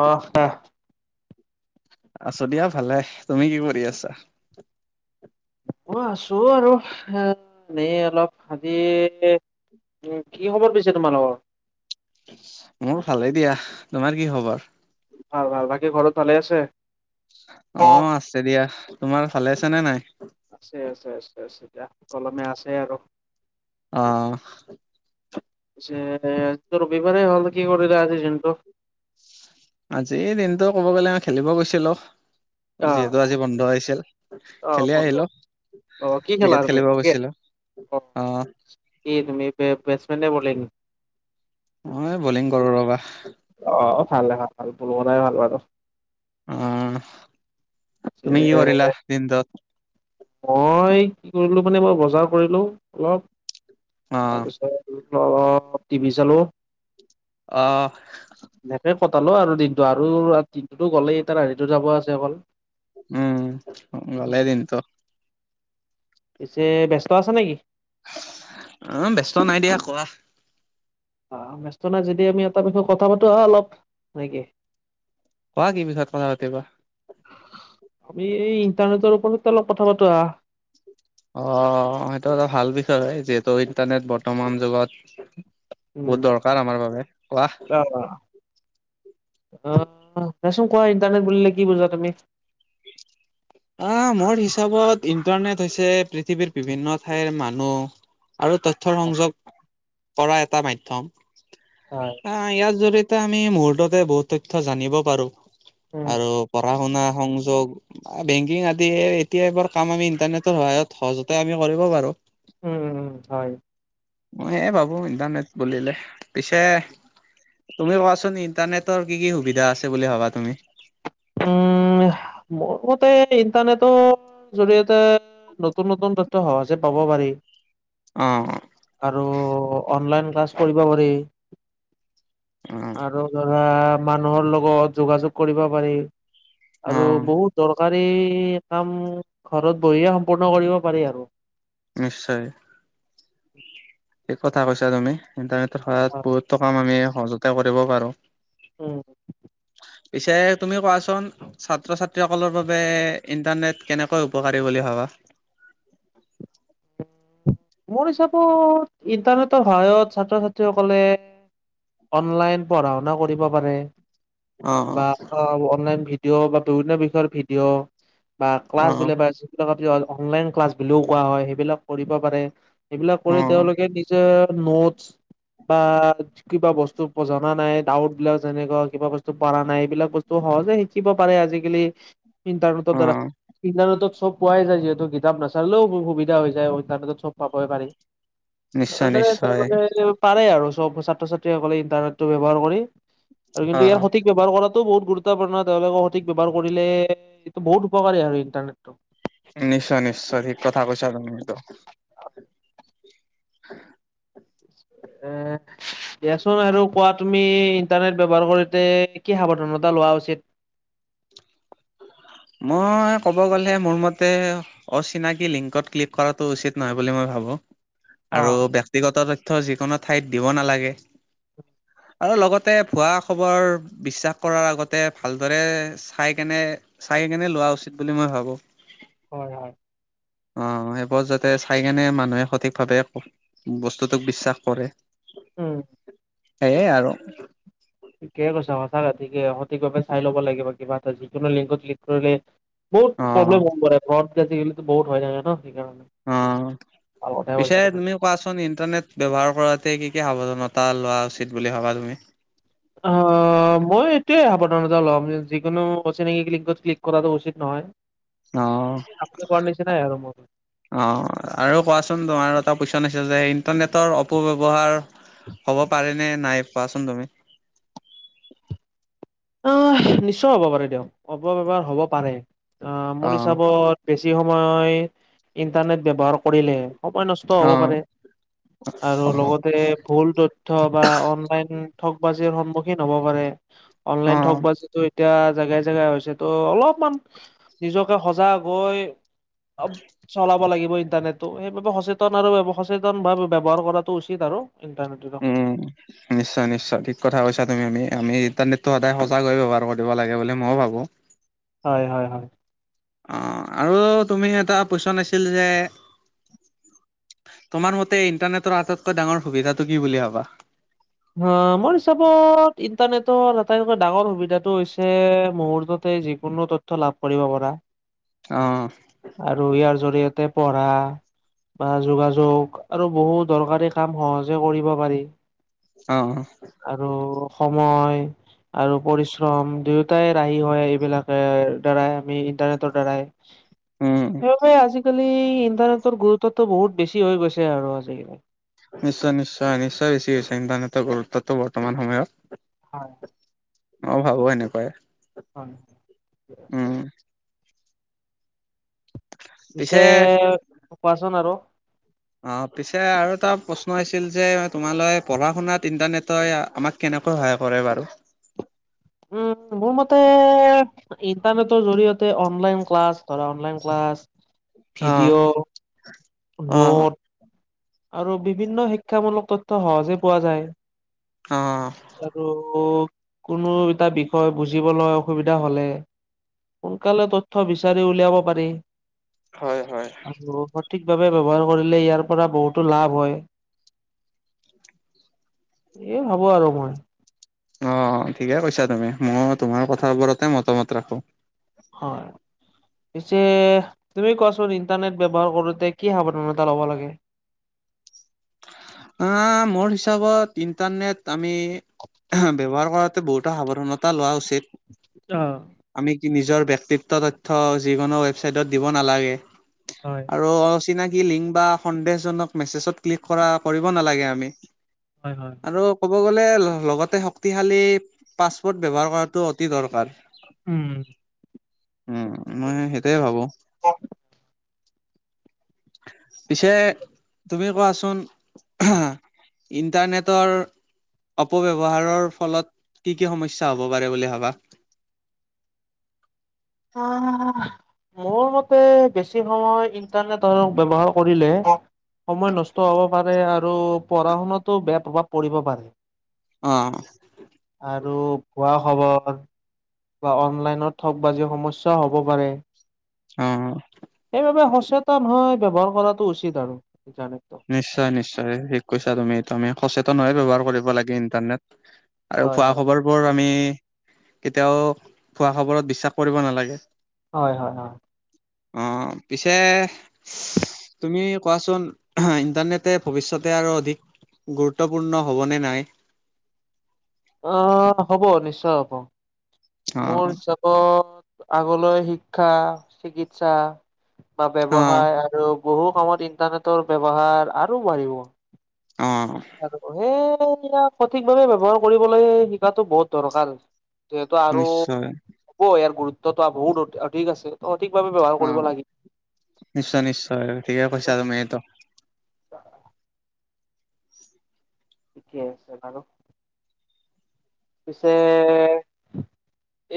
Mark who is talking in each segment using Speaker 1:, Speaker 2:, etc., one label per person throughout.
Speaker 1: অ হা
Speaker 2: আছো দিয়া ভালে তুমি কি কৰি আছা?
Speaker 1: মই আছো আৰু এ এনেই অলপ আজি কি খবৰ পিছে তোমালোকৰ?
Speaker 2: মোৰ ভালেই দিয়া, তোমাৰ কি খবৰ?
Speaker 1: ভাল ভাল বাকী ঘৰত ভালে আছে?
Speaker 2: অ আছে দিয়া তোমাৰ ভালে আছে নে নাই
Speaker 1: আছে আছে আছে আছে এতিয়া সুকলমে আছে আৰু
Speaker 2: অ
Speaker 1: পিছে আজি ত ৰবিবাৰে হ'ল কি কৰিলা আজি দিনটো
Speaker 2: আজিৰ দিনটো ক'ব গ'লে মই খেলিব গৈছিলো
Speaker 1: অ',
Speaker 2: যিহেতু আজি বন্ধ আহিছিল।
Speaker 1: অ',
Speaker 2: খেলি
Speaker 1: বন্ধ।
Speaker 2: আহিলো
Speaker 1: অ', কি খেলা
Speaker 2: ক্ৰিকেট
Speaker 1: তুমি?
Speaker 2: খেলিব গৈছিলো অ
Speaker 1: এই তুমি বে বেটছমেন নে বলিঙ?
Speaker 2: মই বলিং কৰো ৰ'বা
Speaker 1: অ অ ভাল দে ভাল ভাল বলকটাই ভাল বাৰু
Speaker 2: অ
Speaker 1: পিছে
Speaker 2: তুমি কি কৰিলা দিনটোত?
Speaker 1: মই কি কৰিলো মানে মই বজাৰ কৰিলোঁ অলপ
Speaker 2: অ
Speaker 1: তাৰপিছত অলপ টিভি চালো
Speaker 2: আ
Speaker 1: এনেকে কটালো আৰু দিনটো আৰু দিনটোতো গ'লেই এতিয়া ৰাতিটো যাব আছে অকল
Speaker 2: উম গলে দিনটো
Speaker 1: পিছে ব্যস্ত আছা নেকি?
Speaker 2: অ ব্যস্ত নাই দিয়া কোৱা
Speaker 1: অ ব্যস্ত নাই যদি আমি এটা বিষয়ে কথা পাতো আহা অলপ নেকি?
Speaker 2: কোৱা কি বিষয়ত কথা পাতিবা?
Speaker 1: আমি এই ইণ্টাৰনেটৰ ওপৰত অলপ কথা পাতো আহা
Speaker 2: অ সেইটো এটা ভাল বিষয় যিহেতু ইণ্টাৰনেট বৰ্তমান যুগত বহুত দৰকাৰ আমাৰ বাবে কোৱা
Speaker 1: আহ দেচোন কোৱা ইণ্টাৰনেট বুলিলে কি বুজা তুমি?
Speaker 2: আহ মোৰ হিচাপত ইণ্টাৰনেট হৈছে পৃথিৱীৰ বিভিন্ন ঠাইৰ মানুহ আৰু তথ্যৰ সংযোগ কৰা এটা মাধ্যম
Speaker 1: হয়
Speaker 2: অ ইয়াৰ জৰিয়তে আমি মুহুৰ্ততে বহুত তথ্য জানিব পাৰো
Speaker 1: উম,
Speaker 2: আৰু পঢ়া শুনা সংযোগ বেংকিং আদি এতিয়া এইবোৰ কাম আমি ইণ্টাৰনেটৰ সহায়ত সহজতে আমি কৰিব পাৰো।
Speaker 1: উম উম হয়
Speaker 2: মই এহ ভাবো ইণ্টাৰনেট বুলিলে পিছে তুমি কোৱাচোন ইণ্টাৰনেটৰ কি কি সুবিধা আছে বুলি ভাবা তুমি?
Speaker 1: উম মোৰ মতে ইণ্টাৰনেটৰ জৰিয়তে নতুন নতুন তথ্য সহজে পাব পাৰি
Speaker 2: অ
Speaker 1: আৰু অনলাইন ক্লাছ কৰিব পাৰি
Speaker 2: অ
Speaker 1: আৰু ধৰা মানুহৰ লগত যোগাযোগ কৰিব পাৰি
Speaker 2: অ
Speaker 1: আৰু বহুত দৰকাৰী কাম ঘৰত বহিয়ে সম্পূৰ্ণ কৰিব পাৰি আৰু
Speaker 2: নিশ্চয় থিক কথা কৈছা তুমি ইণ্টাৰনেটৰ সহায়ত
Speaker 1: অ'।
Speaker 2: বহুতো কাম আমি সহজতে কৰিব পাৰো।
Speaker 1: উম
Speaker 2: পিছে তুমি কোৱাচোন ছাত্ৰ ছাত্ৰী সকলৰ বাবে ইণ্টাৰনেট কেনেকৈ উপকাৰী বুলি ভাবা
Speaker 1: মোৰ হিচাপত ইন্টাৰনেটৰ সহায়ত ছাত্ৰ ছাত্ৰীসকলে অনলাইন পঢ়া শুনা কৰিব পাৰে বা
Speaker 2: অ',
Speaker 1: অনলাইন ভিডিঅ' বা বিভিন্ন বিষয়ৰ ভিডিঅ' বা
Speaker 2: অ',
Speaker 1: ক্লাছ
Speaker 2: অ',
Speaker 1: বোলে অনলাইন ক্লাছ বুলিও কোৱা হয় সেইবিলাক কৰিব পাৰে এইবিলাক কৰি
Speaker 2: অ',
Speaker 1: তেওঁলোকে নিজে নোটছ বা কিবা বস্তু জনা নাই, ডাউত বিলাক যেনেকুৱা কিবা বস্তু পাৰা নাই এইবিলাক বস্তু সহজে শিকিব পাৰে আজিকালি ইণ্টাৰনেটৰ দ্বাৰা,
Speaker 2: অ',
Speaker 1: ইণ্টাৰনেটত চব পোৱাই যায় যিহেতু কিতাপ নাচালেও বহু বি হৈ যায়, ইণ্টাৰনেটত চব পাবই পাৰি,
Speaker 2: নিশ্চয়
Speaker 1: আচলতে
Speaker 2: নিশ্চয়।
Speaker 1: তেওঁলোকে আহিলেও পাৰে আৰু চব ছাত্ৰ ছাত্ৰীসকলে ইন্টাৰনেটটো ব্যৱহাৰ কৰি, কিন্তু ইয়াৰ
Speaker 2: অ',
Speaker 1: সঠিক ব্যৱহাৰ কৰাতো বহুত গুৰুত্বপূৰ্ণ তেওঁলোকে সঠিক ব্যৱহাৰ কৰিলে এইটো বহুত উপকাৰী আৰু ইণ্টাৰনেটটো।
Speaker 2: নিশ্চয়-নিশ্চয়, ঠিক কথা কৈছা তুমি সেইটো। [inaudible]
Speaker 1: এ দিয়াচোন আৰু কোৱা তুমি ইন্টাৰনেট ব্যৱহাৰ কৰোতে কি- কি সাৱধানতা লোৱা উচিত।
Speaker 2: মই ক'ব গ'লে মোৰ মতে অচিনাকি লিংকত ক্লিক কৰাটো উচিত নহয় বুলি মই ভাৱোঁ। আৰু
Speaker 1: অ',
Speaker 2: বিগত তথ্য যিকোনো ঠাইত দিব নালাগে। আৰু লগতে ভুৱা খবৰ বিশ্বাস কৰাৰ আগতে ভালদৰে চাই কেনে-চাই কেনে লোৱা উচিত বুলি মই ভাবোঁ।
Speaker 1: হয়-হয়।
Speaker 2: অ', সেইবোৰ যাতে চাই কেনে মানুহে সঠিকভাৱে বস্তুটোক বিশ্বাস কৰে।
Speaker 1: উম।
Speaker 2: সেয়ে আৰু।
Speaker 1: ঠিকে কৈছা সঁচাকে ঠিকে সঠিকভাৱে চাই ল'ব লাগিব, কিবা এটা যিকোনো লিংকত ক্লিক কৰিলে বহুত
Speaker 2: অ
Speaker 1: প্ৰব্লেম হব পাৰে ঘৰত [unintelligible] বহুত হৈ থাকে ন? সেইকাৰণে।
Speaker 2: অ',
Speaker 1: ভাল কথাই
Speaker 2: পিছে
Speaker 1: কৈছা
Speaker 2: তুমি কোৱাচোন ইণ্টাৰনেট ব্যৱহাৰ কৰাতে কি-কি সাৱধানতা লোৱা উচিত বুলি ভাবা তুমি?
Speaker 1: অ মই এইটোৱে সাৱধানতা ল'ম যিকোনো অচিনাকি কিংত ক্লিক কৰাটো উচিত নহয়।
Speaker 2: অ
Speaker 1: আপুনি কোৱা ‌নিচিনাই আৰু
Speaker 2: অ', আৰু কোৱাচোন আৰু এটা কোৱেচন আছে যে ইণ্টাৰনেটৰ অপব্যৱহাৰ হ'ব পাৰে নে নাই কোৱাচোন তুমি?
Speaker 1: অ', নিশ্চয় হ'ব পাৰে দিয়ক অপব্যৱহাৰ হ'ব পাৰে। অ, মোৰ হিচাপত বেছি সময় ইণ্টাৰনেট ব্যৱহাৰ কৰিলে সময় নষ্ট হ'ব
Speaker 2: অ
Speaker 1: পাৰে, আৰু লগতে ভুল তথ্য‌ বা অনলাইন ঠগ বাজিৰ সন্মুখীন হ'ব পাৰে।
Speaker 2: অ
Speaker 1: অনলাইন থকবাজি টো এতিয়া জেগাই জেগা হৈছে তহ অলপমান নিজকে সজাগ গৈ অব চলাব লাগিব ইণ্টাৰনেট। তহ সেইবাবে সচেতন আৰু সচেতন ভাবে ব্যৱহাৰ কৰাটো উচিত আৰু ইন্টাৰনেট।
Speaker 2: উম। নিশ্চয়-নিশ্চয় ঠিক কথা কৈছা তুমি। আমি-আমি ইণ্টাৰনেতটো সদায় সঁচাকৈয়ে ব্যৱহাৰ কৰিব লাগে বুলি ময়ো ভাবোঁ।
Speaker 1: হয়-হয়-হয়।
Speaker 2: অ', আৰু তুমি এটা কুৱেচন আছিল যে তোমাৰ মতে ইণ্টাৰনেটৰ আটাইতকৈ ডাঙৰ সুবিধাটো কি বুলি ভাবা
Speaker 1: হা মোৰ হিচাপত ইণ্টাৰনেটৰ আটাইতকৈ ডাঙৰ সুবিধাটো হৈছে মুহূৰ্ততে যি কোনো তথ্য লাভ কৰিব পাৰা।
Speaker 2: অ'
Speaker 1: আৰু ইয়াৰ জৰিয়তে পঢ়া বা যোগাযোগ আৰু বহু দৰকাৰী কাম সহজে কৰিব পাৰি।
Speaker 2: অ'-অ'
Speaker 1: আৰু সময় আৰু পৰিশ্ৰম দুয়োটাই ৰাহি হয় এইবিলাকে দ্বাৰাই আমি ইন্টাৰনেটৰ দ্বাৰাই
Speaker 2: উম,
Speaker 1: সেইবোৰে আজি আজিকালি ইণ্টাৰনেটৰ গুৰুত্বটো বহুত বেছি হৈ গৈছে আৰু আজিকালি
Speaker 2: নিশ্চয়-নিশ্চয়-নিশ্চয় বেছি হৈছে ‌ইণ্টাৰনেটৰ গুৰুত্বটো বৰ্তমান সময়ত
Speaker 1: হয়।
Speaker 2: মই ভাবোঁ এনেকুৱাই
Speaker 1: হয় ঠিকে আছে।
Speaker 2: উম।
Speaker 1: পিছে কোৱাচোন আৰু
Speaker 2: অ' পিছে আৰু এটা প্ৰশ্ন আছিল যে তোমালৈ পঢ়া শুনাত ইণ্টাৰনেটে আমাক কেনেকুৱা সহায় কৰে বাৰু
Speaker 1: উম মোৰ মতে ইণ্টাৰনেটৰ জৰিয়তে অনলাইন ক্লাছ ধৰা অনলাইন ক্লাছ
Speaker 2: অ',
Speaker 1: ভিডিঅ',
Speaker 2: অ',
Speaker 1: নোট আৰু বিভিন্ন শিক্ষামূলক তথ্য সহজে পোৱা যায়।
Speaker 2: অ'
Speaker 1: আৰু কোনো এটা বিষয় বুজিবলৈ অসুবিধা হ'লে সোনকালে তথ্য বিচাৰি উলিয়াব পাৰি।
Speaker 2: হয়-হয়।
Speaker 1: আৰু সঠিকভাৱে ব্যৱহাৰ কৰিলে ইয়াৰ পৰা বহুতো লাভ হয়। এয়ে ভাবোঁ আৰু মই।
Speaker 2: অ' ঠিকে কৈছা তুমি ময়ো তোমাৰ কথাবোৰতে মতামত ৰাখোঁ।
Speaker 1: হয়। পিছে তুমি কোৱাচোন ইণ্টাৰনেট ব্যৱহাৰ কৰোঁতে কি সাৱধানতা ল'ব লাগে
Speaker 2: অ' মোৰ হিচাপত ইন্টাৰনেট আমি ব্যৱহাৰ কৰাত বহুতো সাৱধানতা লোৱা উচিত।
Speaker 1: [unintelligible]
Speaker 2: আমি নিজৰ ব্যক্তিত্ব তথ্য যিকোনো ৱেবচাইটত দিব নালাগে
Speaker 1: হয়,
Speaker 2: আৰু অচিনাকি লিংক বা সন্দেহজনক মেছেজত ক্লিক কৰা কৰিব নালাগে আমি।
Speaker 1: হয়-হয়।
Speaker 2: আৰু ক'ব গ'লে লগতে শক্তিশালী পাছপোৰ্ট ব্যৱহাৰ কৰাটো অতি দৰকাৰ।
Speaker 1: উম
Speaker 2: উম
Speaker 1: ঠিকে
Speaker 2: মই
Speaker 1: কৈছা।
Speaker 2: সেইটোৱেই ভাবোঁ। পিছে তুমি কোৱাচোন [unintelligible] ইণ্টাৰনেটৰ অপব্যৱহাৰৰ ফলত কি-কি সমস্যা হ'ব পাৰে বুলি ভাবা?
Speaker 1: আহ
Speaker 2: [unintelligible]
Speaker 1: মোৰ মতে বেছি সময় ইন্টাৰনেট ব্যৱহাৰ কৰিলে সময় নষ্ট হ'ব পাৰে আৰু পঢ়া-শুনাতো বেয়া প্ৰভাৱ পৰিব পাৰে।
Speaker 2: অ'
Speaker 1: আৰু ভুৱা খবৰ বা অনলাইনত ঠক বাজি সমস্যাও হ'ব পাৰে।
Speaker 2: অ
Speaker 1: সেইবাবে সচেতন হয় ব্যৱহাৰ কৰাটো উচিত আৰু।
Speaker 2: নিশ্চয়-নিশ্চয় ঠিক কৈছা তুমি এইটো আমি সচেতন হৈয়ে ব্যৱহাৰ কৰিব লাগে ইণ্টাৰনেট। আৰু
Speaker 1: হয়
Speaker 2: ভুৱা
Speaker 1: হয়
Speaker 2: খবৰবোৰ আমি কেতিয়াও ভুৱা খবৰত বিশ্বাস কৰিব নালাগে।
Speaker 1: হয় হয় হয়
Speaker 2: অ পিছে তুমি কোৱাচোন আ ইণ্টাৰনেটে ভৱিষ্যতে আৰু অধিক গুৰুত্বপূৰ্ণ হ'বনে নাই?
Speaker 1: অ হ'ব নিশ্চয় হ'ব মোৰ
Speaker 2: অ',
Speaker 1: চব আগলৈ শিক্ষা, চিকিৎসা বা
Speaker 2: অ',
Speaker 1: ব্যৱসায় আৰু বহু কামত ইন্টাৰনেটৰ ব্যৱহাৰ আৰু বাঢ়িব।
Speaker 2: অ
Speaker 1: সেই ইয়াক সঠিকভাৱে ব্যৱহাৰ কৰিবলৈ শিকাতো বহুত দৰকাৰ। যিহেতু আৰু হ'ব
Speaker 2: নিশ্চয়
Speaker 1: ইয়াৰ গুৰুত্বতা বহুত অধিক আছে অধিকভাৱে ব্যৱহাৰ কৰিব লাগে
Speaker 2: নিশ্চয়-নিশ্চয় ঠিকে কৈছা তুমি এইটো।
Speaker 1: ঠিকে আছে বাৰু পিছে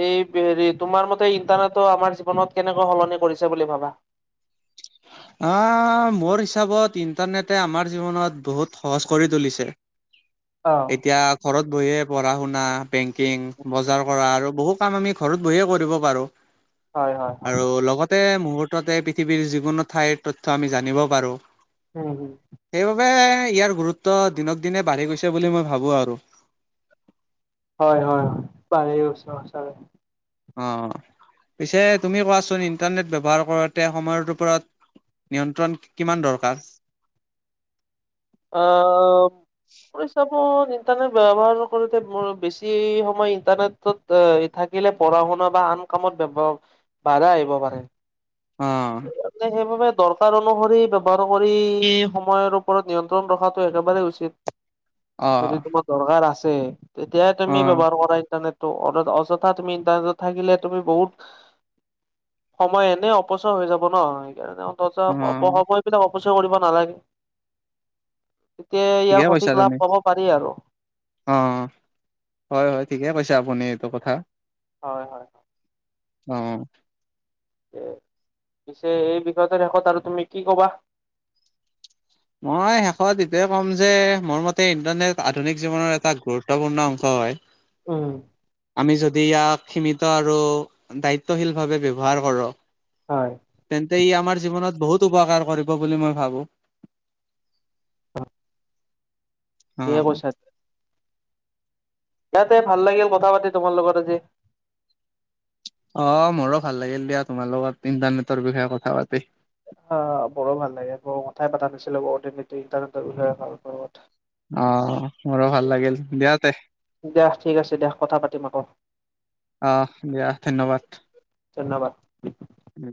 Speaker 1: এই হেৰি তোমাৰ মতে ইণ্টাৰনেটৰ আমাৰ জীৱনত কেনেকৈ সলনি কৰিছে বুলি ভাবা?
Speaker 2: আহ মোৰ হিচাপত ইণ্টাৰনেটে আমাৰ জীৱনত বহুত সহজ কৰি তুলিছে। [inaudible]
Speaker 1: অ
Speaker 2: এতিয়া ঘৰত বহিয়ে পঢ়া শুনা বেংকিং বজাৰ কৰা আৰু বহু কাম আমি ঘৰত বহিয়ে কৰিব পাৰো।
Speaker 1: হয় হয় হয়
Speaker 2: আৰু লগতে মূহুৰ্ততে পৃথিৱীৰ যিকোনো ঠাইৰ তথ্য আমি জানিব পাৰো
Speaker 1: উম হুম
Speaker 2: সেইবাবে ইয়াৰ গুৰুত্ব দিনক দিনে বাঢ়ি গৈছে বুলি মই ভাবো আৰু
Speaker 1: হয় হয় হয় পাহৰি গৈছো সঁচাকে
Speaker 2: অ পিছে তুমি কোৱাচোন ইণ্টাৰনেট ব্যৱহাৰ কৰোতে সময়ৰ ওপৰত নিয়ন্ত্ৰণ কিমান দৰকাৰ
Speaker 1: অহ আপুনি চাব ইণ্টাৰনেট ব্যৱহাৰ কৰোতে মোৰ বেছি সময় ইণ্টাৰনেটত থাকিলে পঢ়া-শুনা বা আন কামত ব্যৱহাৰ বাধা আহিব পাৰে।
Speaker 2: অ
Speaker 1: আপুনি সেইবাবে দৰকাৰ অনুসৰি ব্যৱহাৰ কৰি সময়ৰ ওপৰত নিয়ন্ত্ৰণ ৰখাটো একেবাৰে উচিত
Speaker 2: অ
Speaker 1: যদি তোমাৰ দৰকাৰ আছে তেতিয়াহে
Speaker 2: অ
Speaker 1: তুমি ব্যৱহাৰ কৰা ইণ্টাৰনেট। ত অযথা তুমি ইটাৰনেটত থাকিলে তুমি বহুত সময় এনে অ পচয় হৈ যাব ন সেইকাৰণে অন্তত অপ
Speaker 2: অ
Speaker 1: সময় বিলাক অপচয় কৰিব নালাগে তেতিয়াহে ইয়াৰ
Speaker 2: ঠিকে
Speaker 1: সঠিক
Speaker 2: কৈছা
Speaker 1: লাভ
Speaker 2: তুমি
Speaker 1: পাব পাৰি আৰু
Speaker 2: অ হয় হয় ঠিকে কৈছে আপুনি এইটো কথা
Speaker 1: হয় হয়
Speaker 2: অ
Speaker 1: যে পিছে এই বিষয়টোৰ শেষত আৰু তুমি কি ক'বা?
Speaker 2: মই শেষত এইটোৱে ক'ম যে মোৰ মতে ইণ্টাৰনেট আধুনিক জীৱনৰ এটা গুৰু ত্বপূৰ্ণ অংশ হয়
Speaker 1: উম
Speaker 2: আমি যদি ইয়াক সীমিত আৰু দায়িত্বশীলভাৱে ব্যৱহাৰ কৰো
Speaker 1: হয়
Speaker 2: তেন্তে ই আমাৰ জীৱনত বহুত উপকাৰ কৰিব বুলি মই ভাবো
Speaker 1: [inaudible]
Speaker 2: অ
Speaker 1: এয়ে কৈছাত ইয়াতে ভাল লাগিল কথা পাতি তোমাৰ লগত আজি।
Speaker 2: অ মোৰো ভাল লাগিল দিয়া তোমাৰ লগত ইণ্টাৰনেটৰ বিষয়ে কথা পাতি।
Speaker 1: অ, মোৰো ভাল লাগে মইও কথাই পাতা নাছিলো বহু দিন এইটো ইটাৰনেটৰ বিষয়ে ভাল -ভাল কথা।
Speaker 2: আহ, মোৰো ভাল লাগিল দিয়া তে
Speaker 1: দিয়া ঠিক আছে দিয়া কথা পাতিম আকৌ।
Speaker 2: অহ, দিয়া ধন্যবাদ।
Speaker 1: ধন্যবাদ।
Speaker 2: উম,